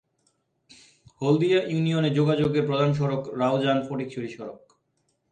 হলদিয়া ইউনিয়নে যোগাযোগের প্রধান সড়ক রাউজান-ফটিকছড়ি সড়ক।